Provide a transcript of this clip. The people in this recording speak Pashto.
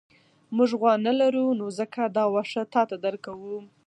موږ غوا نه لرو نو ځکه دا واښه تاته درکوو.